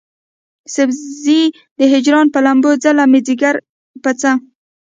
سيزې د هجران پۀ لمبو څله مې ځيګر پۀ څۀ